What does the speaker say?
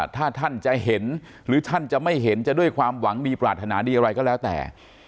ถ้าท่านจะเห็นหรือท่านจะไม่เห็นจะด้วยความหวังดีปรารถนาดีอะไรก็แล้วแต่